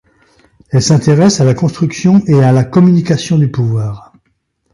Elle s'intéresse à la construction et à la communication du pouvoir.